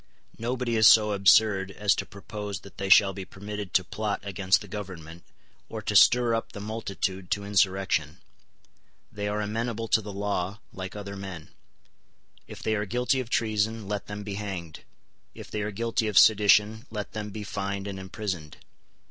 Nobody is so absurd as to propose that they shall be permitted to plot against the Government, or to stir up the multitude to insurrection. They are amenable to the law, like other men. If they are guilty of treason, let them be hanged. If they are guilty of sedition, let them be fined and imprisoned.